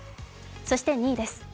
そして２位です。